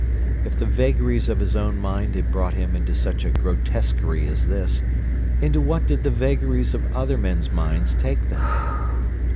If the vagaries of his own mind had brought him into such a grotesquerie as this, into what did the vagaries of other men's minds take them?